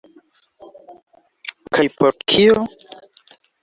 Kaj por kio?